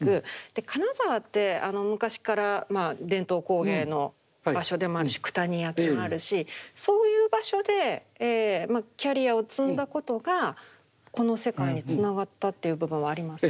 金沢って昔から伝統工芸の場所でもあるし九谷焼もあるしそういう場所でキャリアを積んだことがこの世界につながったっていう部分はありますか？